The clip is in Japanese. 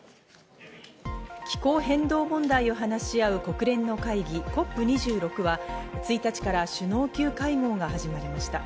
気候変動問題を話し合う国連の会議・ＣＯＰ２６は、１日から首脳級会合が始まりました。